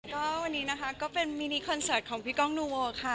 ก็วันนี้นะคะก็เป็นมินิคอนเสิร์ตของพี่ก้องนูโวค่ะ